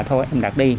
thôi em đặt đi